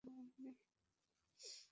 বিশ্বসংসারে তোমার ওই একটি বৈ জামা আর নেই?